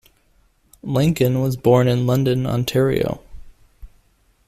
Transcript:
Lankin was born in London, Ontario.